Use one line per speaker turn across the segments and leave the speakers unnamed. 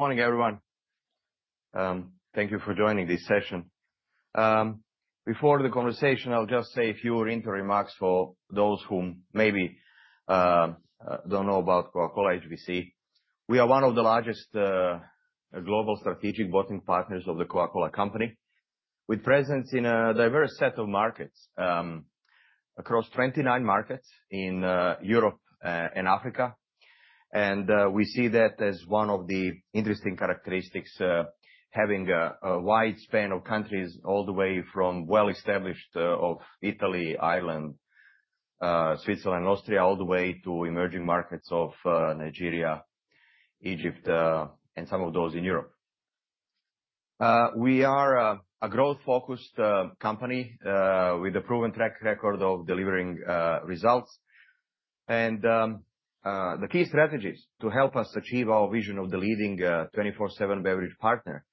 Morning, everyone. Thank you for joining this session. Before the conversation, I'll just say a few interim remarks for those who maybe do not know about Coca-Cola HBC. We are one of the largest global strategic bottling partners of The Coca-Cola Company, with presence in a diverse set of markets, across 29 markets in Europe and Africa. We see that as one of the interesting characteristics, having a wide span of countries all the way from well-established, of Italy, Ireland, Switzerland, Austria, all the way to emerging markets of Nigeria, Egypt, and some of those in Europe. We are a growth-focused company, with a proven track record of delivering results. The key strategies to help us achieve our vision of the leading 24/7 beverage partner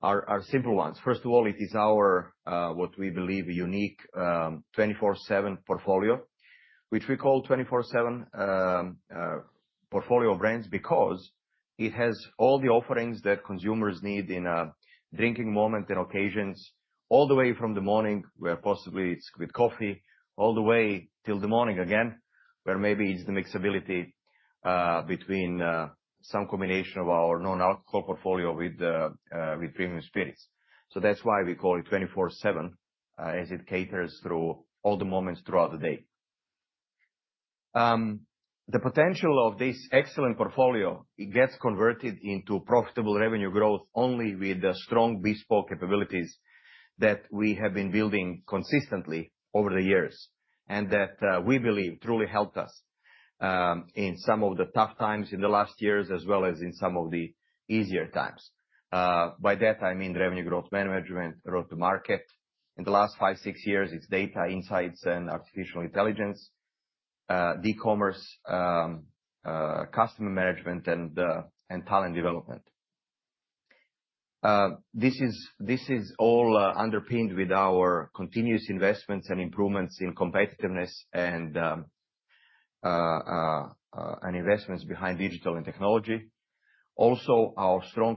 are simple ones. First of all, it is our, what we believe unique, 24/7 portfolio, which we call 24/7 portfolio of brands because it has all the offerings that consumers need in a drinking moment and occasions, all the way from the morning, where possibly it's with coffee, all the way till the morning again, where maybe it's the mixability, between some combination of our non-alcohol portfolio with premium spirits. That's why we call it 24/7, as it caters through all the moments throughout the day. The potential of this excellent portfolio, it gets converted into profitable revenue growth only with the strong bespoke capabilities that we have been building consistently over the years and that, we believe, truly helped us in some of the tough times in the last years as well as in some of the easier times. By that, I mean revenue growth management, growth to market. In the last five, six years, it's data insights and artificial intelligence, the commerce, customer management, and talent development. This is all underpinned with our continuous investments and improvements in competitiveness and investments behind digital and technology. Also, our strong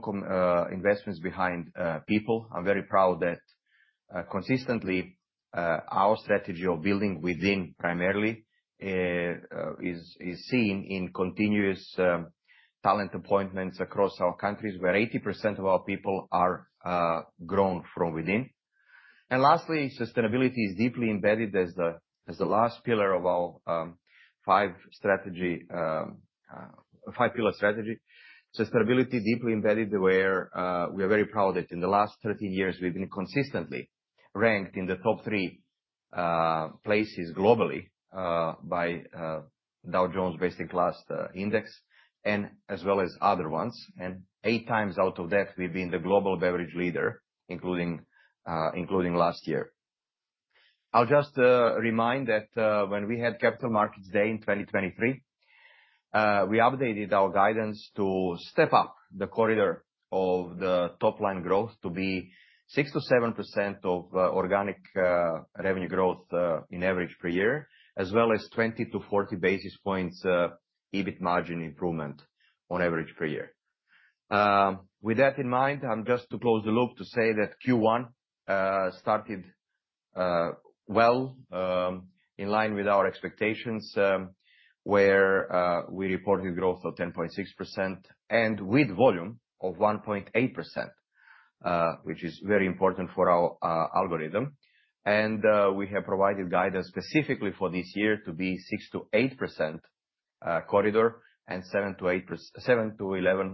investments behind people. I'm very proud that, consistently, our strategy of building within primarily, is seen in continuous talent appointments across our countries where 80% of our people are grown from within. Lastly, sustainability is deeply embedded as the last pillar of our five-pillar strategy. Sustainability deeply embedded where we are very proud that in the last 13 years, we've been consistently ranked in the top three places globally by Dow Jones Sustainability Index and as well as other ones. Eight times out of that, we've been the global beverage leader, including last year. I'll just remind that, when we had Capital Markets Day in 2023, we updated our guidance to step up the corridor of the top line growth to be 6-7% of organic revenue growth, in average per year, as well as 20-40 basis points EBIT margin improvement on average per year. With that in mind, I'm just to close the loop to say that Q1 started well, in line with our expectations, where we reported growth of 10.6% and with volume of 1.8%, which is very important for our algorithm. We have provided guidance specifically for this year to be 6-8% corridor and 7-11%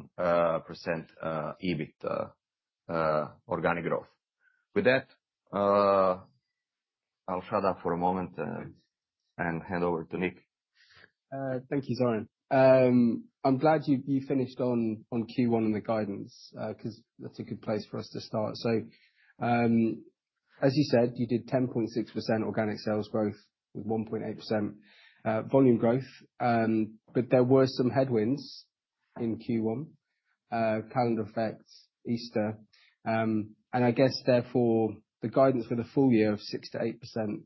EBIT organic growth. With that, I'll shut up for a moment and hand over to Mitch.
Thank you, Zoran. I'm glad you finished on Q1 and the guidance, because that's a good place for us to start. As you said, you did 10.6% organic sales growth with 1.8% volume growth. There were some headwinds in Q1, calendar effects, Easter. I guess therefore the guidance for the full year of 6-8%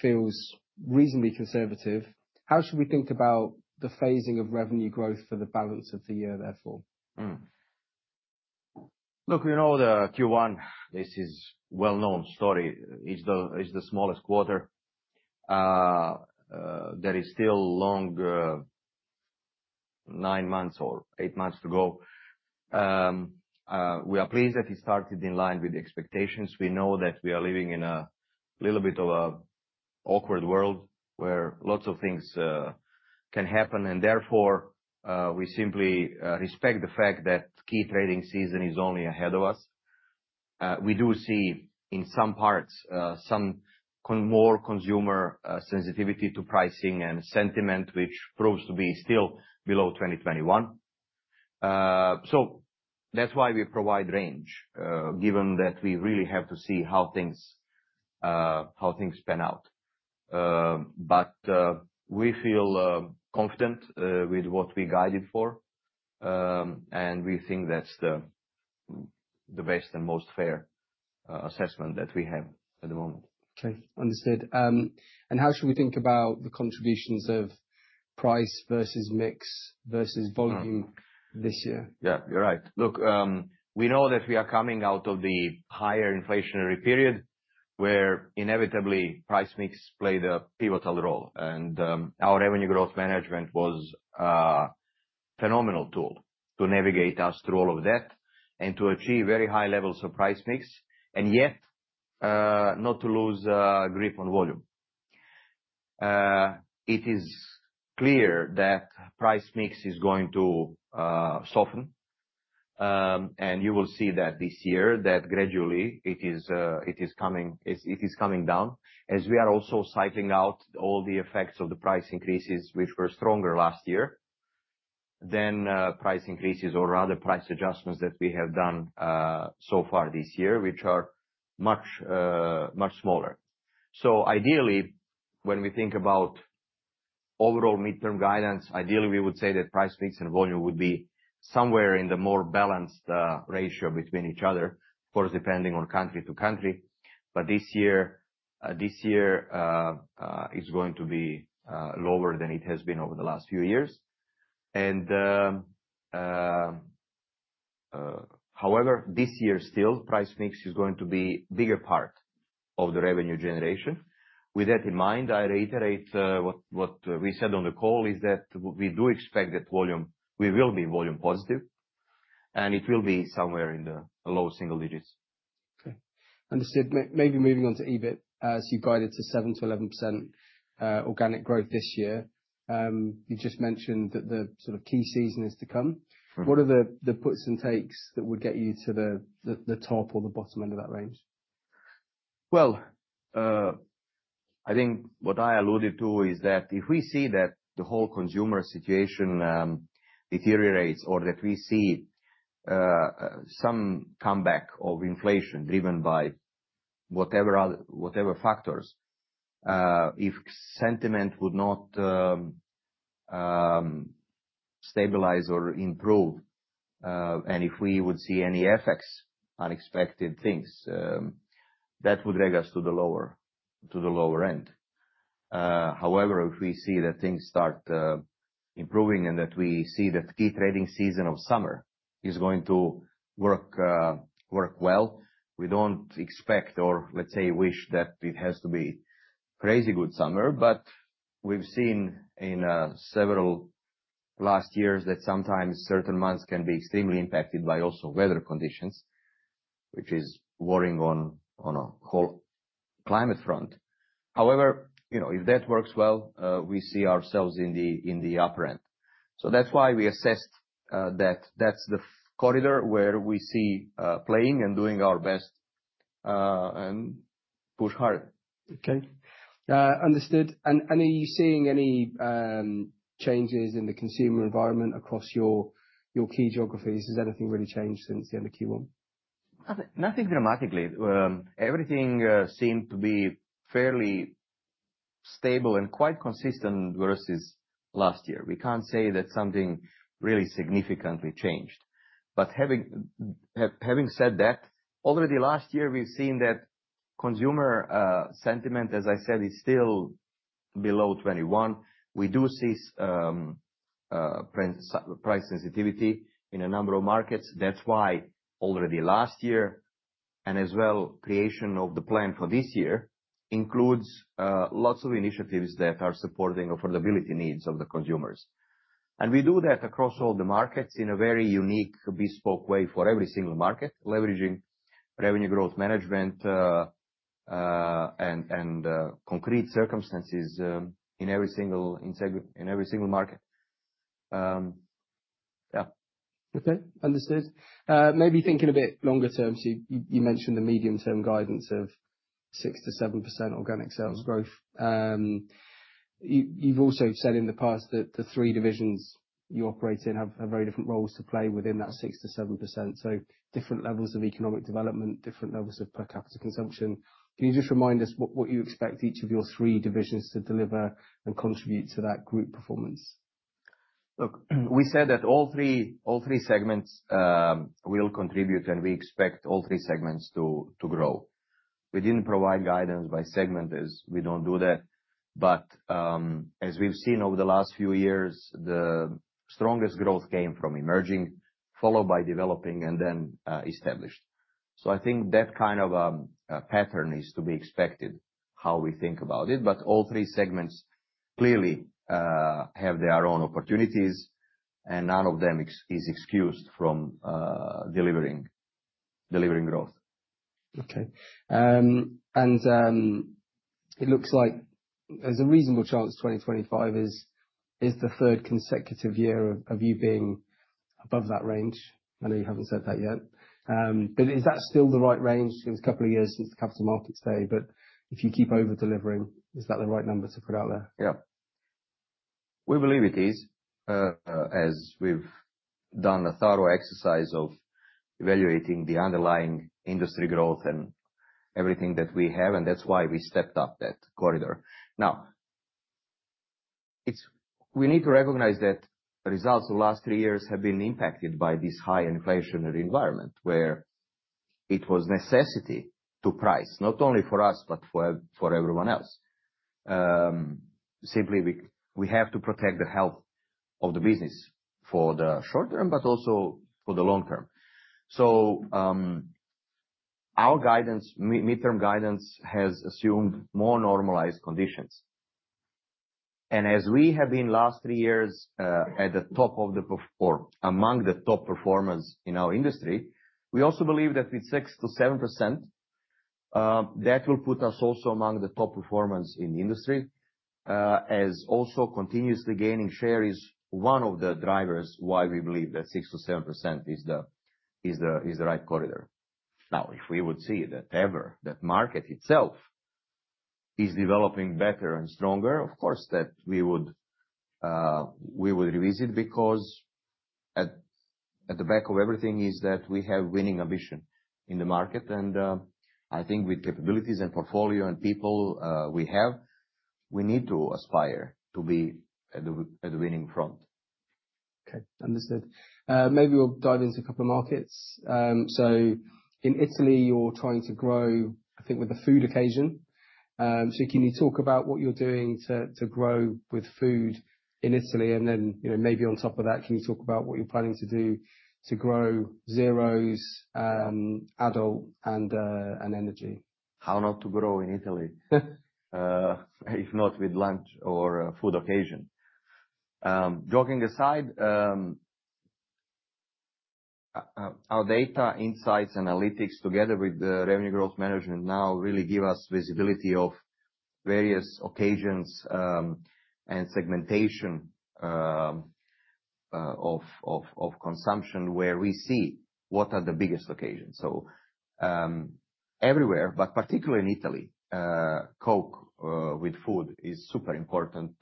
feels reasonably conservative. How should we think about the phasing of revenue growth for the balance of the year therefore?
Look, we know the Q1, this is a well-known story, is the, is the smallest quarter. There is still a long, nine months or eight months to go. We are pleased that it started in line with expectations. We know that we are living in a little bit of an awkward world where lots of things can happen. Therefore, we simply respect the fact that key trading season is only ahead of us. We do see in some parts, some more consumer sensitivity to pricing and sentiment, which proves to be still below 2021. That is why we provide range, given that we really have to see how things, how things pan out. We feel confident with what we guided for. We think that is the best and most fair assessment that we have at the moment.
Okay. Understood. And how should we think about the contributions of price versus mix versus volume this year?
Yeah, you're right. Look, we know that we are coming out of the higher inflationary period where inevitably price mix played a pivotal role. Our revenue growth management was a phenomenal tool to navigate us through all of that and to achieve very high levels of price mix and yet not to lose grip on volume. It is clear that price mix is going to soften. You will see that this year that gradually it is coming, it is coming down as we are also cycling out all the effects of the price increases, which were stronger last year than price increases or rather price adjustments that we have done so far this year, which are much, much smaller. Ideally, when we think about overall midterm guidance, ideally we would say that price mix and volume would be somewhere in the more balanced ratio between each other, of course, depending on country to country. This year is going to be lower than it has been over the last few years. However, this year still price mix is going to be a bigger part of the revenue generation. With that in mind, I reiterate what we said on the call is that we do expect that volume, we will be volume positive and it will be somewhere in the low single digits.
Okay. Understood. Maybe moving on to EBIT, you guided to 7-11% organic growth this year. You just mentioned that the sort of key season is to come. What are the puts and takes that would get you to the top or the bottom end of that range?
I think what I alluded to is that if we see that the whole consumer situation deteriorates or that we see some comeback of inflation driven by whatever factors, if sentiment would not stabilize or improve, and if we would see any effects, unexpected things, that would drag us to the lower end. However, if we see that things start improving and that we see that key trading season of summer is going to work well, we do not expect or let's say wish that it has to be a crazy good summer, but we have seen in several last years that sometimes certain months can be extremely impacted by also weather conditions, which is worrying on a whole climate front. However, you know, if that works well, we see ourselves in the upper end. That's why we assessed that that's the corridor where we see playing and doing our best, and push harder.
Okay. Understood. And are you seeing any changes in the consumer environment across your key geographies? Has anything really changed since the end of Q1?
Nothing dramatically. Everything seemed to be fairly stable and quite consistent versus last year. We can't say that something really significantly changed. Having said that, already last year we've seen that consumer sentiment, as I said, is still below 2021. We do see price sensitivity in a number of markets. That's why already last year and as well creation of the plan for this year includes lots of initiatives that are supporting affordability needs of the consumers. We do that across all the markets in a very unique bespoke way for every single market, leveraging revenue growth management and concrete circumstances in every single market. Yeah.
Okay. Understood. Maybe thinking a bit longer term, you mentioned the medium-term guidance of 6-7% organic sales growth. You've also said in the past that the three divisions you operate in have very different roles to play within that 6-7%. Different levels of economic development, different levels of per capita consumption. Can you just remind us what you expect each of your three divisions to deliver and contribute to that group performance?
Look, we said that all three segments will contribute and we expect all three segments to grow. We did not provide guidance by segment as we do not do that. As we have seen over the last few years, the strongest growth came from emerging, followed by developing and then established. I think that kind of pattern is to be expected how we think about it. All three segments clearly have their own opportunities and none of them is excused from delivering growth.
Okay. It looks like there's a reasonable chance 2025 is the third consecutive year of you being above that range. I know you haven't said that yet. Is that still the right range? It was a couple of years since the capital markets day, but if you keep over delivering, is that the right number to put out there?
Yeah. We believe it is, as we've done a thorough exercise of evaluating the underlying industry growth and everything that we have. That's why we stepped up that corridor. Now, we need to recognize that results of the last three years have been impacted by this high inflationary environment where it was necessity to price not only for us, but for everyone else. Simply, we have to protect the health of the business for the short term, but also for the long term. Our guidance, midterm guidance has assumed more normalized conditions. As we have been the last three years, at the top of the, or among the top performers in our industry, we also believe that with 6-7%, that will put us also among the top performers in the industry, as also continuously gaining share is one of the drivers why we believe that 6-7% is the right corridor. If we would see that ever that market itself is developing better and stronger, of course we would revisit because at the back of everything is that we have winning ambition in the market. I think with capabilities and portfolio and people, we have, we need to aspire to be at the winning front.
Okay. Understood. Maybe we'll dive into a couple of markets. So in Italy, you're trying to grow, I think with the food occasion. So can you talk about what you're doing to grow with food in Italy? And then, you know, maybe on top of that, can you talk about what you're planning to do to grow zeros, adult, and energy?
How not to grow in Italy, if not with lunch or food occasion. Joking aside, our data insights analytics together with the revenue growth management now really give us visibility of various occasions and segmentation of consumption where we see what are the biggest occasions. Everywhere, but particularly in Italy, Coke with food is super important,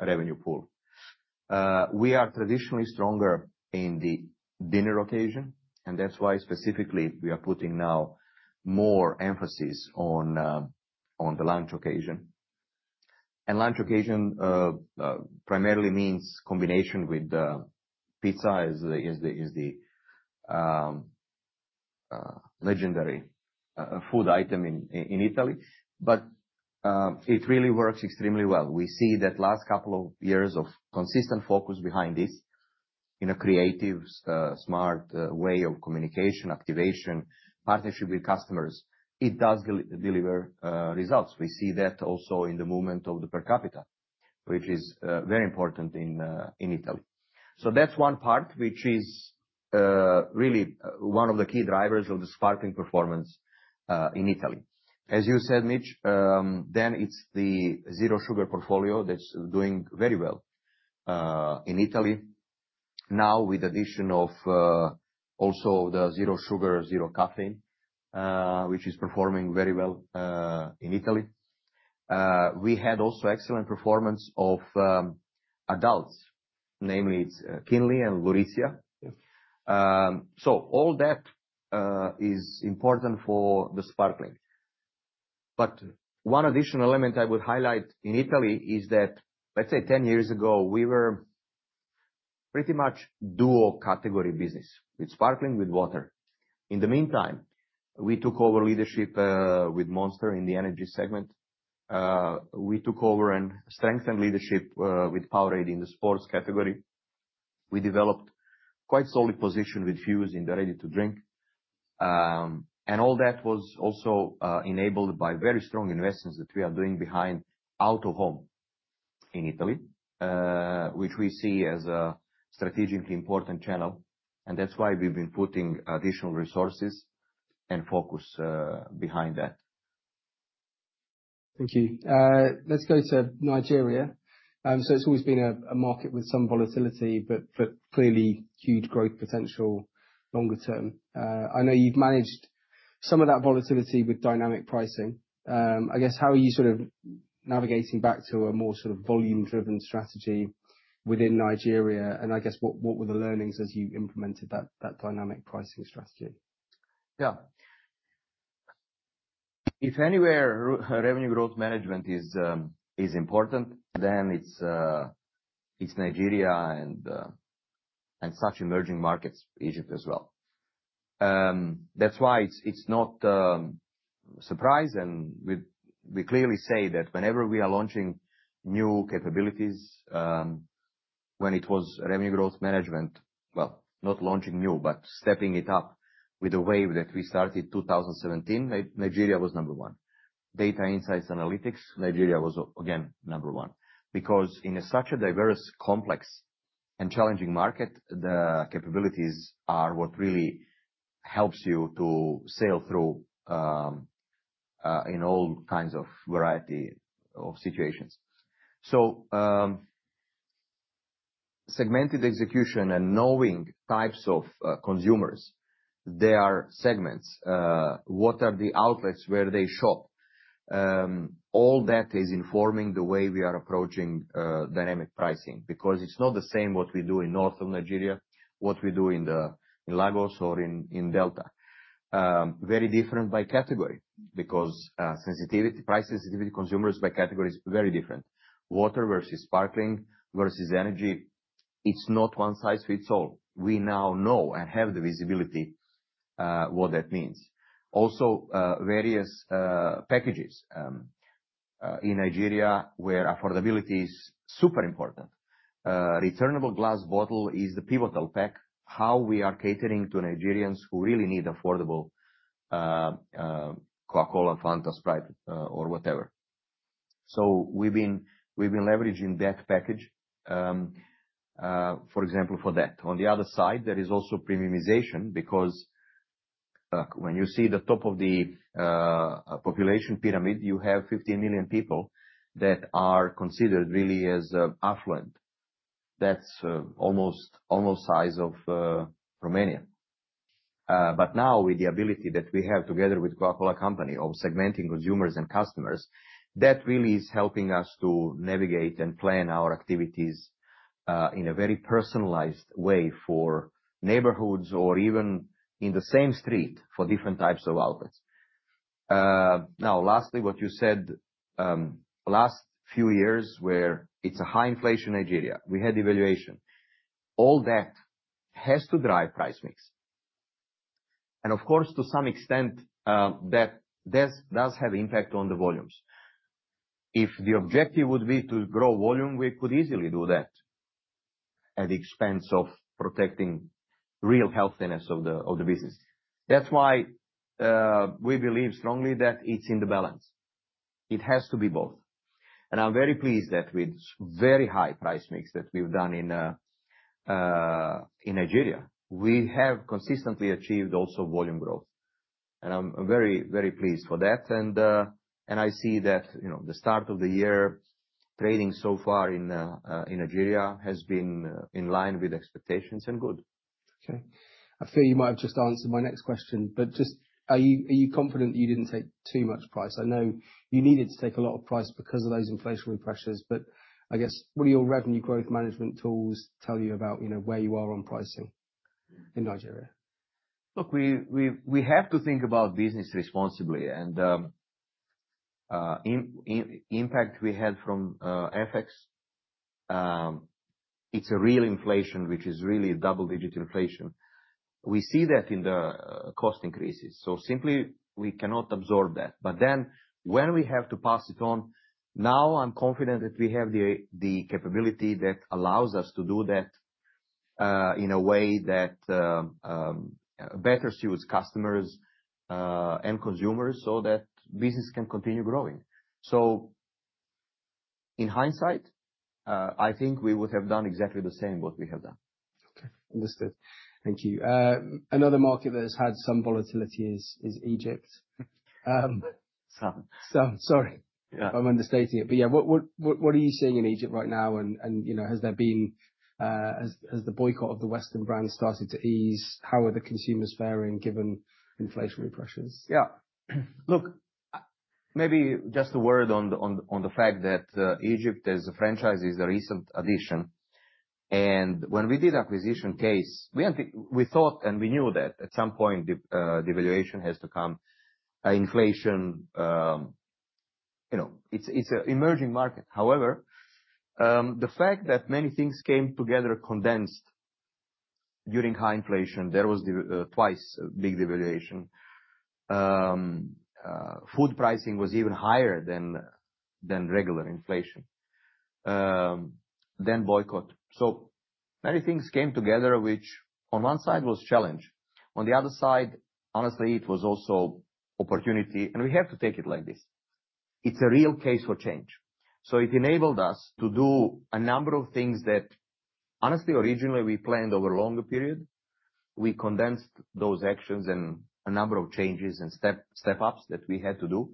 revenue pool. We are traditionally stronger in the dinner occasion. That is why specifically we are putting now more emphasis on the lunch occasion. Lunch occasion primarily means combination with pizza, is the legendary food item in Italy. It really works extremely well. We see that last couple of years of consistent focus behind this in a creative, smart way of communication, activation, partnership with customers, it does deliver results. We see that also in the movement of the per capita, which is very important in Italy. That is one part, which is really one of the key drivers of the sparkling performance in Italy. As you said, Mitch, then it is the zero sugar portfolio that is doing very well in Italy. Now with the addition of also the zero sugar, zero caffeine, which is performing very well in Italy. We had also excellent performance of adults, namely it is Kinley and Lurisia. All that is important for the sparkling. One additional element I would highlight in Italy is that, let's say, 10 years ago we were pretty much dual category business with sparkling, with water. In the meantime, we took over leadership with Monster in the energy segment. We took over and strengthened leadership with Powerade in the sports category. We developed quite solid position with Fuze in the ready to drink. All that was also enabled by very strong investments that we are doing behind out of home in Italy, which we see as a strategically important channel. That is why we have been putting additional resources and focus behind that.
Thank you. Let's go to Nigeria. It's always been a market with some volatility, but clearly huge growth potential longer term. I know you've managed some of that volatility with dynamic pricing. I guess how are you sort of navigating back to a more sort of volume-driven strategy within Nigeria? I guess what were the learnings as you implemented that dynamic pricing strategy?
Yeah. If anywhere revenue growth management is important, then it's Nigeria and such emerging markets, Egypt as well. That's why it's not a surprise. And we clearly say that whenever we are launching new capabilities, when it was revenue growth management, well, not launching new, but stepping it up with the wave that we started 2017, Nigeria was number one. Data insights analytics, Nigeria was again number one because in such a diverse, complex and challenging market, the capabilities are what really helps you to sail through in all kinds of variety of situations. So, segmented execution and knowing types of consumers, their segments, what are the outlets where they shop, all that is informing the way we are approaching dynamic pricing because it's not the same what we do in north of Nigeria, what we do in Lagos or in Delta. Very different by category because sensitivity, price sensitivity, consumers by category is very different. Water versus sparkling versus energy, it's not one size fits all. We now know and have the visibility, what that means. Also, various packages, in Nigeria where affordability is super important. Returnable glass bottle is the pivotal pack, how we are catering to Nigerians who really need affordable Coca-Cola, Fanta, Sprite, or whatever. We have been leveraging that package, for example, for that. On the other side, there is also premiumization because, when you see the top of the population pyramid, you have 15 million people that are considered really as affluent. That is almost, almost the size of Romania. But now with the ability that we have together with The Coca-Cola Company of segmenting consumers and customers, that really is helping us to navigate and plan our activities in a very personalized way for neighborhoods or even in the same street for different types of outlets. Now lastly, what you said, last few years where it's a high inflation Nigeria, we had devaluation, all that has to drive price mix. And of course, to some extent, that does have impact on the volumes. If the objective would be to grow volume, we could easily do that at the expense of protecting real healthiness of the business. That's why we believe strongly that it's in the balance. It has to be both. I'm very pleased that with very high price mix that we've done in Nigeria, we have consistently achieved also volume growth. I'm very, very pleased for that. I see that, you know, the start of the year trading so far in Nigeria has been in line with expectations and good.
Okay. I feel you might have just answered my next question, but just are you, are you confident that you did not take too much price? I know you needed to take a lot of price because of those inflationary pressures, but I guess what do your revenue growth management tools tell you about, you know, where you are on pricing in Nigeria?
Look, we have to think about business responsibly and, in impact we had from FX. It's a real inflation, which is really double digit inflation. We see that in the cost increases. Simply, we cannot absorb that. When we have to pass it on, now I'm confident that we have the capability that allows us to do that in a way that better suits customers and consumers so that business can continue growing. In hindsight, I think we would have done exactly the same what we have done.
Okay. Understood. Thank you. Another market that has had some volatility is Egypt.
Some.
Some. Sorry.
Yeah.
I'm understating it, but yeah, what are you seeing in Egypt right now? You know, has the boycott of the Western brand started to ease? How are the consumers faring given inflationary pressures?
Yeah. Look, maybe just a word on the fact that Egypt as a franchise is a recent addition. And when we did acquisition case, we thought and we knew that at some point the evaluation has to come, inflation, you know, it's an emerging market. However, the fact that many things came together condensed during high inflation, there was the, twice a big devaluation. Food pricing was even higher than regular inflation. Then boycott. So many things came together, which on one side was challenge. On the other side, honestly, it was also opportunity. And we have to take it like this. It's a real case for change. It enabled us to do a number of things that honestly, originally we planned over a longer period, we condensed those actions and a number of changes and step ups that we had to do.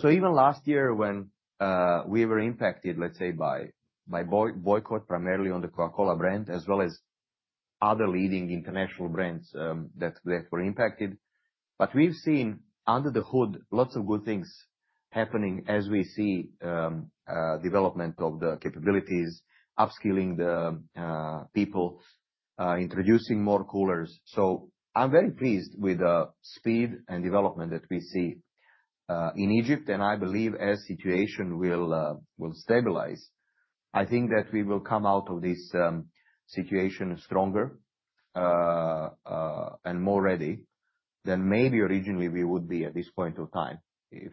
Even last year when we were impacted, let's say by boycott primarily on the Coca-Cola brand as well as other leading international brands, that were impacted. We've seen under the hood lots of good things happening as we see development of the capabilities, upskilling the people, introducing more coolers. I'm very pleased with the speed and development that we see in Egypt. I believe as situation will stabilize, I think that we will come out of this situation stronger, and more ready than maybe originally we would be at this point of time. If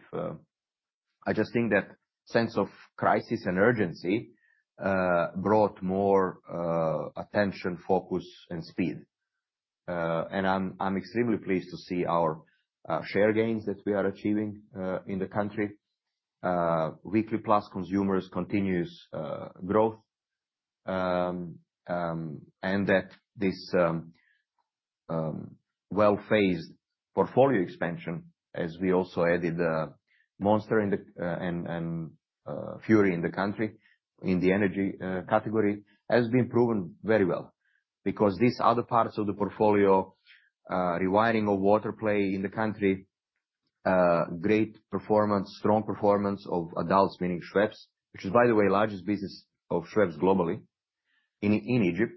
I just think that sense of crisis and urgency brought more attention, focus, and speed. I'm extremely pleased to see our share gains that we are achieving in the country, weekly plus consumers' continuous growth. This well-phased portfolio expansion, as we also added Monster and Fury in the country in the energy category, has been proven very well because these other parts of the portfolio, rewiring of water play in the country, great performance, strong performance of adults, meaning Schweppes, which is, by the way, the largest business of Schweppes globally in Egypt.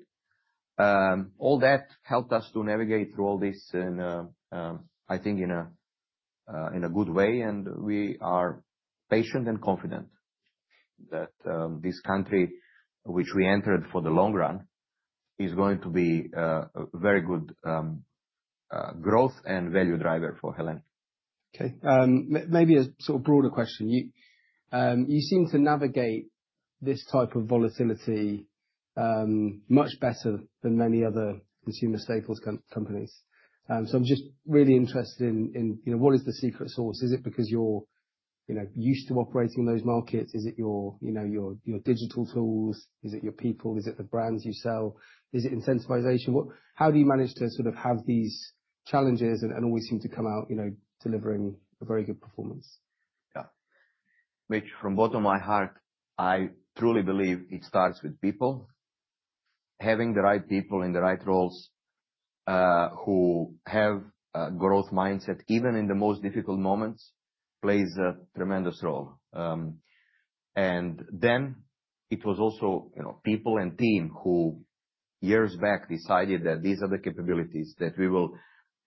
All that helped us to navigate through all this, and I think in a good way. We are patient and confident that this country, which we entered for the long run, is going to be a very good growth and value driver for Helena.
Okay. Maybe a sort of broader question. You seem to navigate this type of volatility much better than many other consumer staples companies. I'm just really interested in, you know, what is the secret sauce? Is it because you're used to operating those markets? Is it your digital tools? Is it your people? Is it the brands you sell? Is it incentivization? How do you manage to sort of have these challenges and always seem to come out, you know, delivering a very good performance?
Yeah. Mitch, from bottom of my heart, I truly believe it starts with people, having the right people in the right roles, who have a growth mindset even in the most difficult moments plays a tremendous role. Then it was also, you know, people and team who years back decided that these are the capabilities that we will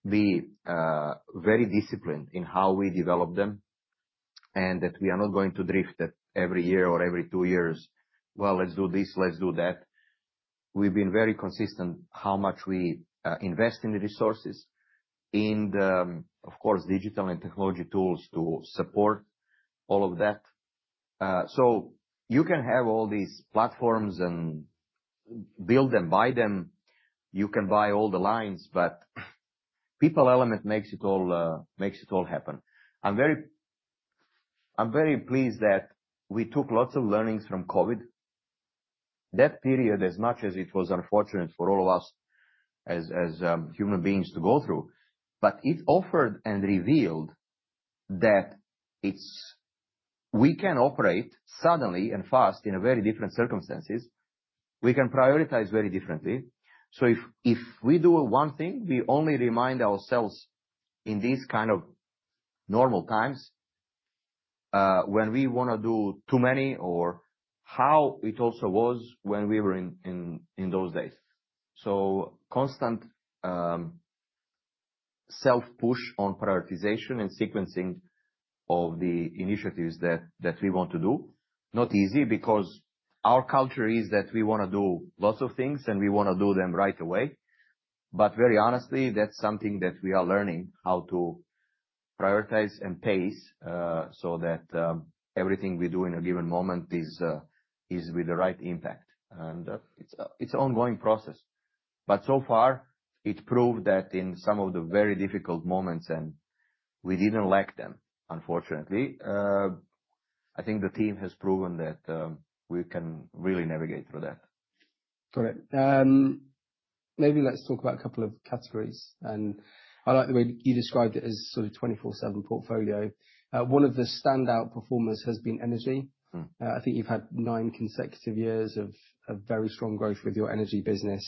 be very disciplined in how we develop them and that we are not going to drift that every year or every two years. Let's do this, let's do that. We've been very consistent how much we invest in the resources in the, of course, digital and technology tools to support all of that. You can have all these platforms and build them, buy them, you can buy all the lines, but people element makes it all, makes it all happen. I'm very, I'm very pleased that we took lots of learnings from COVID, that period, as much as it was unfortunate for all of us as human beings to go through, but it offered and revealed that we can operate suddenly and fast in very different circumstances. We can prioritize very differently. If we do one thing, we only remind ourselves in these kind of normal times, when we wanna do too many or how it also was when we were in those days. Constant self push on prioritization and sequencing of the initiatives that we want to do, not easy because our culture is that we wanna do lots of things and we wanna do them right away. Very honestly, that's something that we are learning how to prioritize and pace, so that everything we do in a given moment is with the right impact. It's an ongoing process, but so far it proved that in some of the very difficult moments, and we didn't lack them, unfortunately, I think the team has proven that we can really navigate through that.
Got it. Maybe let's talk about a couple of categories. I like the way you described it as sort of 24/7 portfolio. One of the standout performers has been energy. I think you've had nine consecutive years of very strong growth with your energy business.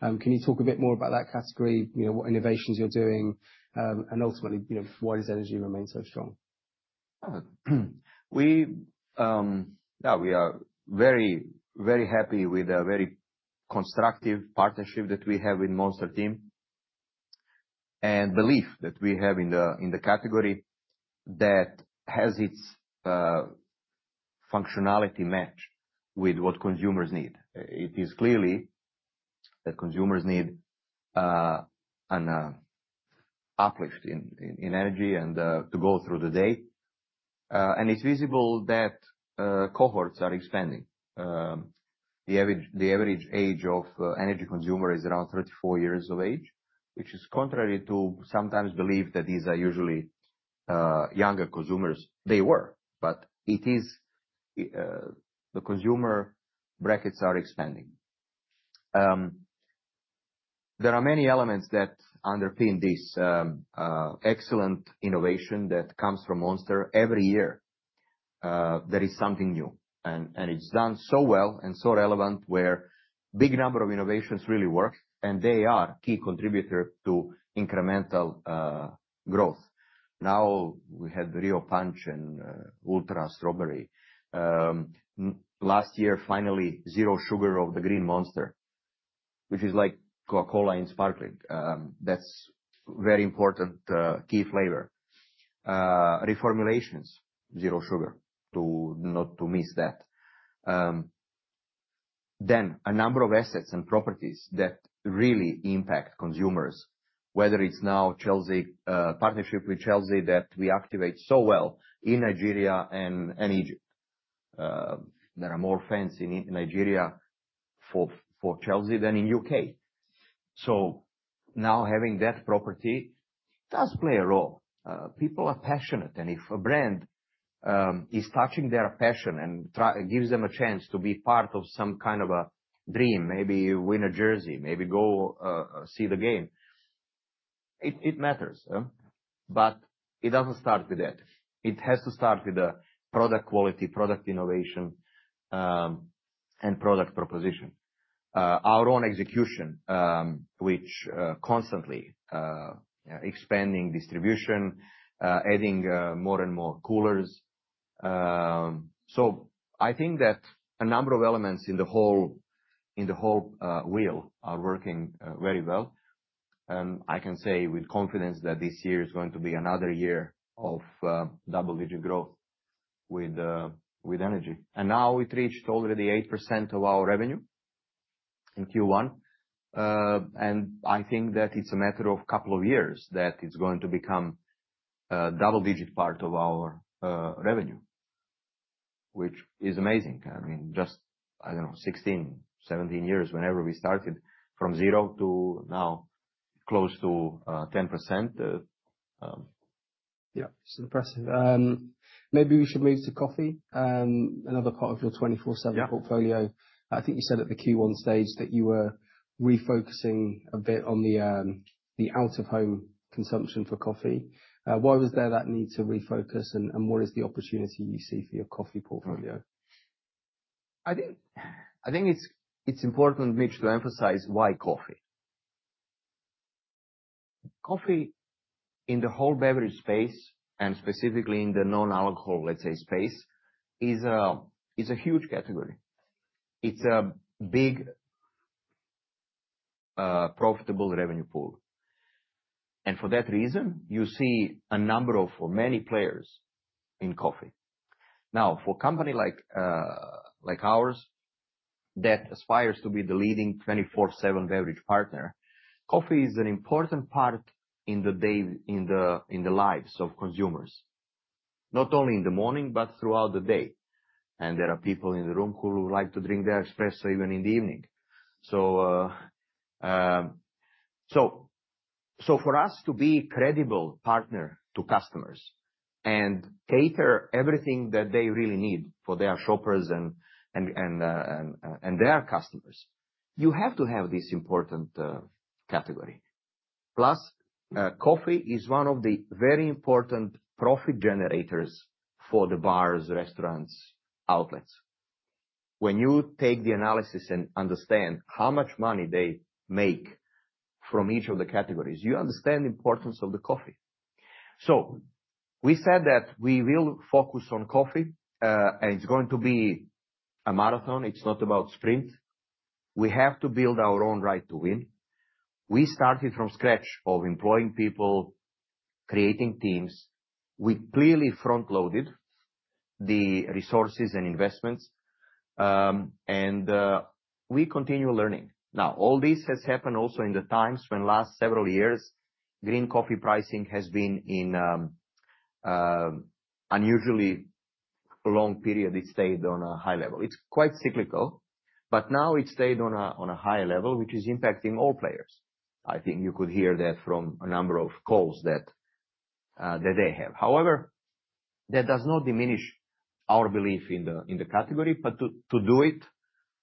Can you talk a bit more about that category, you know, what innovations you're doing, and ultimately, you know, why does energy remain so strong?
We are very, very happy with a very constructive partnership that we have with the Monster team and belief that we have in the category that has its functionality match with what consumers need. It is clear that consumers need an uplift in energy to go through the day. It is visible that cohorts are expanding. The average age of energy consumer is around 34 years of age, which is contrary to sometimes belief that these are usually younger consumers. They were, but the consumer brackets are expanding. There are many elements that underpin this, excellent innovation that comes from Monster every year. There is something new and it is done so well and so relevant where big number of innovations really work and they are key contributor to incremental growth. Now we had the Rio Punch and Ultra Strawberry. Last year, finally zero sugar of the Green Monster, which is like Coca-Cola in sparkling. That's very important, key flavor. Reformulations, zero sugar to not to miss that. Then a number of assets and properties that really impact consumers, whether it's now Chelsea, partnership with Chelsea that we activate so well in Nigeria and Egypt. There are more fans in Nigeria for Chelsea than in the U.K. Now having that property does play a role. People are passionate and if a brand is touching their passion and gives them a chance to be part of some kind of a dream, maybe win a jersey, maybe go see the game, it matters. It does not start with that. It has to start with the product quality, product innovation, and product proposition. Our own execution, which is constantly expanding distribution, adding more and more coolers. I think that a number of elements in the whole wheel are working very well. I can say with confidence that this year is going to be another year of double-digit growth with energy. It reached already 8% of our revenue in Q1. I think that it is a matter of a couple of years that it is going to become a double-digit part of our revenue, which is amazing. I mean, just, I do not know, 16, 17 years whenever we started from zero to now close to 10%.
Yeah, it's impressive. Maybe we should move to coffee, another part of your 24/7 portfolio. I think you said at the Q1 stage that you were refocusing a bit on the out-of-home consumption for coffee. Why was there that need to refocus, and what is the opportunity you see for your coffee portfolio?
I think it's important, Mitch, to emphasize why coffee. Coffee in the whole beverage space and specifically in the non-alcohol, let's say, space is a huge category. It's a big, profitable revenue pool. For that reason, you see a number of, or many players in coffee. Now, for a company like ours that aspires to be the leading 24/7 beverage partner, coffee is an important part in the day, in the lives of consumers, not only in the morning, but throughout the day. There are people in the room who like to drink their espresso even in the evening. For us to be a credible partner to customers and cater everything that they really need for their shoppers and their customers, you have to have this important category. Plus, coffee is one of the very important profit generators for the bars, restaurants, outlets. When you take the analysis and understand how much money they make from each of the categories, you understand the importance of the coffee. We said that we will focus on coffee, and it's going to be a marathon. It's not about sprint. We have to build our own right to win. We started from scratch of employing people, creating teams. We clearly front loaded the resources and investments, and we continue learning. Now, all this has happened also in the times when last several years, green coffee pricing has been in unusually long period, it stayed on a high level. It's quite cyclical, but now it stayed on a high level, which is impacting all players. I think you could hear that from a number of calls that they have. However, that does not diminish our belief in the, in the category, but to do it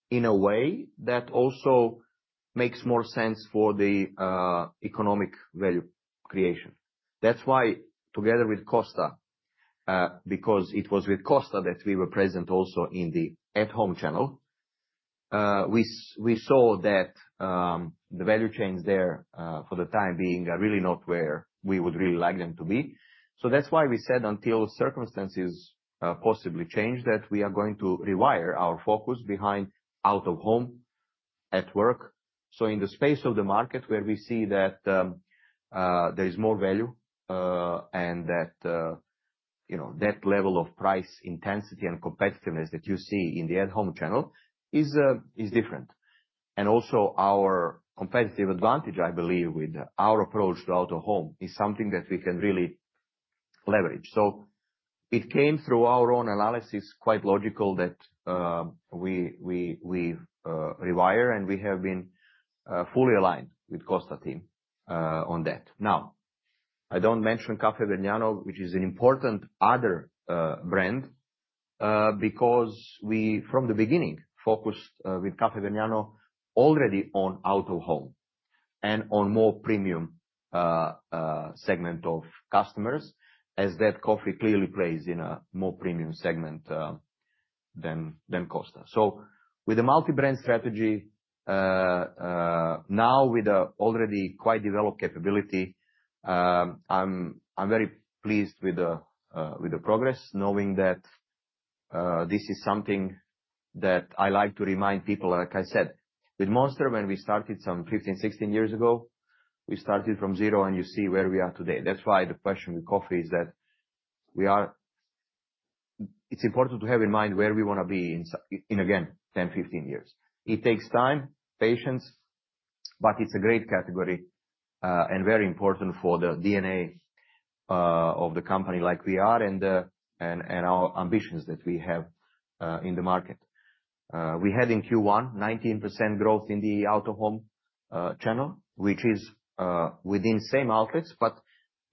in a way that also makes more sense for the economic value creation. That is why together with Costa, because it was with Costa that we were present also in the at home channel, we saw that the value chains there, for the time being, are really not where we would really like them to be. That is why we said until circumstances possibly change that we are going to rewire our focus behind out of home at work. In the space of the market where we see that there is more value, and that, you know, that level of price intensity and competitiveness that you see in the at home channel is different. Our competitive advantage, I believe, with our approach to out of home is something that we can really leverage. It came through our own analysis, quite logical that we rewire, and we have been fully aligned with the Costa team on that. I do not mention Caffé Vernano, which is another important brand, because we from the beginning focused with Caffé Vergnano already on out of home and on a more premium segment of customers, as that coffee clearly plays in a more premium segment than Costa. With the multi-brand strategy, now with an already quite developed capability, I am very pleased with the progress, knowing that this is something that I like to remind people. Like I said, with Monster, when we started some 15, 16 years ago, we started from zero, and you see where we are today. That's why the question with coffee is that we are, it's important to have in mind where we wanna be in, in again, 10-15 years. It takes time, patience, but it's a great category, and very important for the DNA of the company like we are and, and our ambitions that we have in the market. We had in Q1 19% growth in the out of home channel, which is within same outlets, but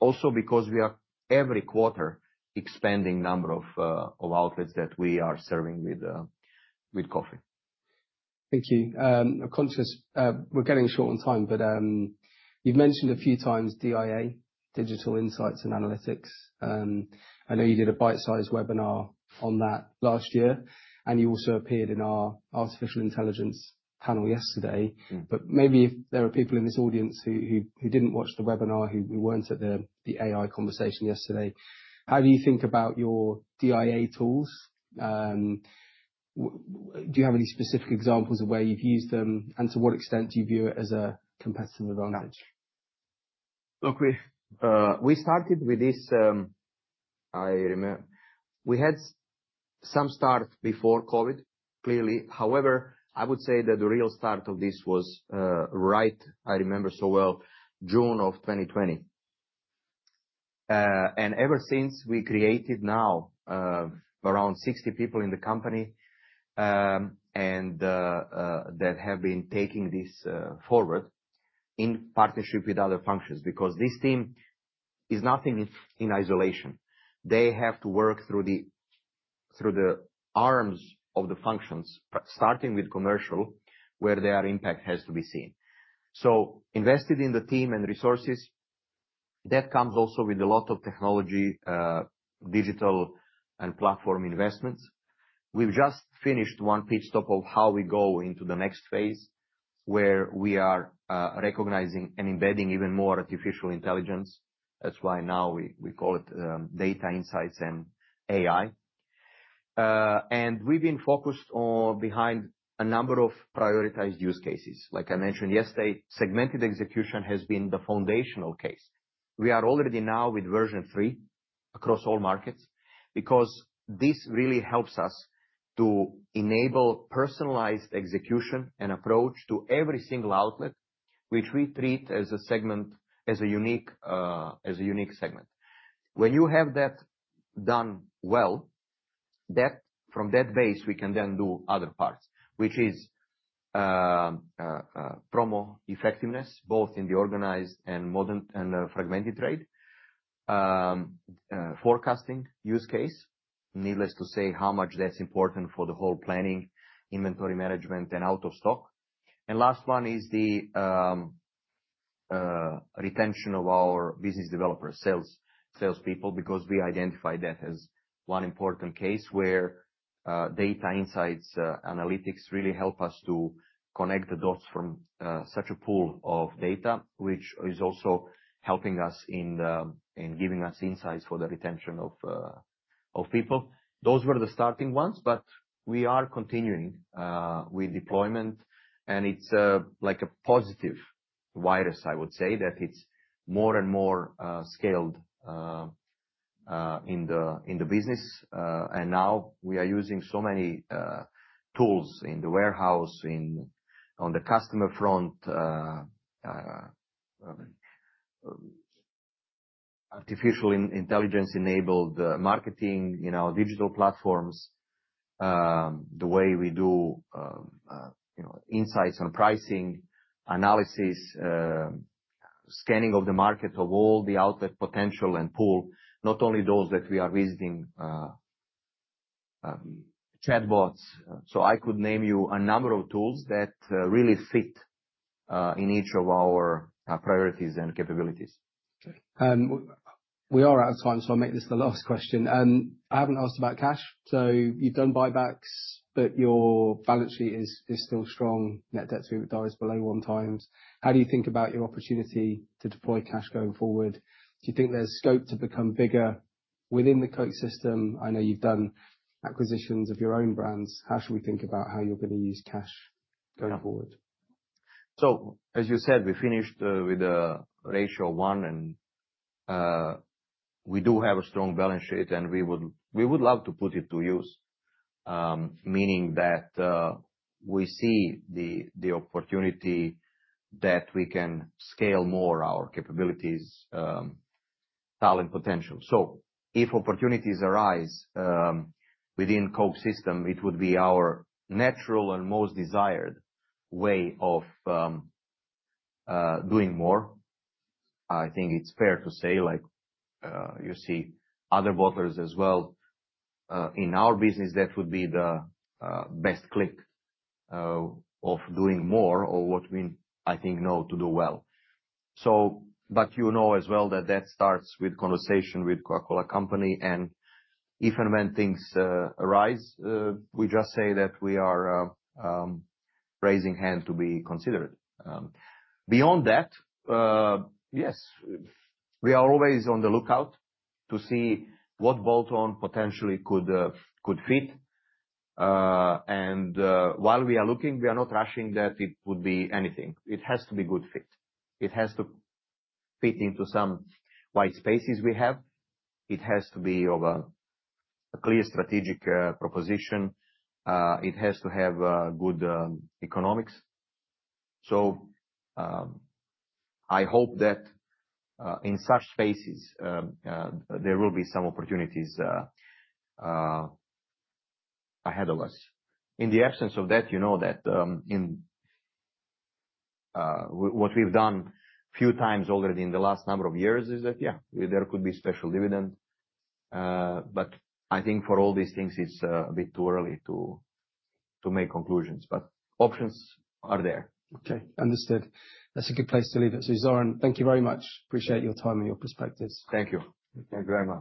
also because we are every quarter expanding number of outlets that we are serving with coffee.
Thank you. I'm conscious we're getting short on time, but you've mentioned a few times DIA, Digital Insights and Analytics. I know you did a bite-sized webinar on that last year and you also appeared in our artificial intelligence panel yesterday. Maybe if there are people in this audience who didn't watch the webinar, who weren't at the AI conversation yesterday, how do you think about your DIA tools? Do you have any specific examples of where you've used them and to what extent do you view it as a competitive advantage?
Look, we started with this, I remember we had some start before COVID, clearly. However, I would say that the real start of this was, right, I remember so well, June of 2020. Ever since, we created now around 60 people in the company that have been taking this forward in partnership with other functions because this team is nothing in isolation. They have to work through the arms of the functions, starting with commercial where their impact has to be seen. So invested in the team and resources, that comes also with a lot of technology, digital and platform investments. We have just finished one pit stop of how we go into the next phase where we are recognizing and embedding even more artificial intelligence. That is why now we call it data insights and AI. we've been focused on behind a number of prioritized use cases. Like I mentioned yesterday, segmented execution has been the foundational case. We are already now with version three across all markets because this really helps us to enable personalized execution and approach to every single outlet, which we treat as a segment, as a unique, as a unique segment. When you have that done well, from that base, we can then do other parts, which is promo effectiveness both in the organized and modern and fragmented trade, forecasting use case, needless to say how much that's important for the whole planning, inventory management, and out of stock. The last one is the retention of our business developers, sales, salespeople, because we identify that as one important case where data insights, analytics really help us to connect the dots from such a pool of data, which is also helping us in giving us insights for the retention of people. Those were the starting ones, but we are continuing with deployment and it's like a positive virus, I would say that it's more and more scaled in the business. Now we are using so many tools in the warehouse, on the customer front, artificial intelligence enabled marketing, you know, digital platforms, the way we do, you know, insights on pricing analysis, scanning of the market of all the outlet potential and pool, not only those that we are visiting, chatbots. I could name you a number of tools that really fit in each of our priorities and capabilities.
Okay. We are out of time, so I'll make this the last question. I haven't asked about cash. So you've done buybacks, but your balance sheet is still strong. Net debt to EBITDA is below 1x. How do you think about your opportunity to deploy cash going forward? Do you think there's scope to become bigger within the Coke system? I know you've done acquisitions of your own brands. How should we think about how you're gonna use cash going forward?
As you said, we finished with a ratio one, and we do have a strong balance sheet and we would love to put it to use, meaning that we see the opportunity that we can scale more our capabilities, talent potential. If opportunities arise within Coke system, it would be our natural and most desired way of doing more. I think it's fair to say, like, you see other bottlers as well in our business, that would be the best click of doing more or what we, I think, know to do well. You know as well that that starts with conversation with The Coca-Cola Company. If and when things arise, we just say that we are raising hand to be considered. Beyond that, yes, we are always on the lookout to see what bolt-on potentially could fit. While we are looking, we are not rushing that it would be anything. It has to be a good fit. It has to fit into some white spaces we have. It has to be a clear strategic proposition. It has to have good economics. I hope that, in such spaces, there will be some opportunities ahead of us. In the absence of that, you know that, in what we have done a few times already in the last number of years is that, yeah, there could be a special dividend. I think for all these things, it is a bit too early to make conclusions, but options are there.
Okay. Understood. That is a good place to leave it. Zoran, thank you very much. Appreciate your time and your perspectives.
Thank you. Thank you very much.